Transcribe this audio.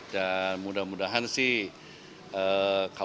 dan mudah mudahan sih